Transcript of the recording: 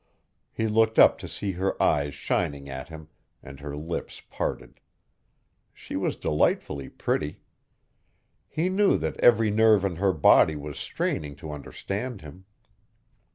He looked up to see her eyes shining at him, and her lips parted. She was delightfully pretty. He knew that every nerve in her body was straining to understand him.